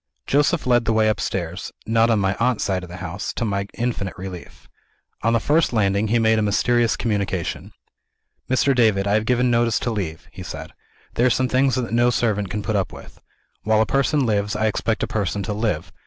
Joseph led the way upstairs not on my aunt's side of the house, to my infinite relief. On the first landing, he made a mysterious communication. "Mr. David, I have given notice to leave," he said. "There are some things that no servant can put up with. While a person lives, I expect a person to live.